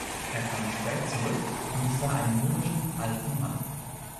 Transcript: Er kam spät zurück und ich sah einen mürrischen alten Mann.